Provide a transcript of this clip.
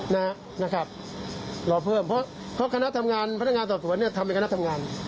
แล้วก็ไม่พบว่ามีการฟันหัดตามที่เป็นข่าวทางโซเชียลก็ไม่พบ